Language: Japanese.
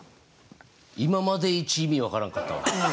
今までイチ意味分からんかったわ。